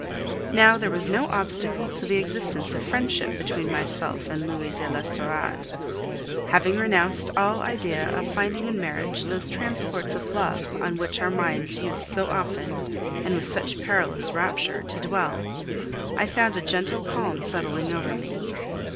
Now there was no obstacle to the existence of friendship between myself and Louis de l'Estorade. Having renounced all idea of finding in marriage those transports of love on which our minds used so often, and with such perilous rapture, to dwell, I found a gentle calm settling over me.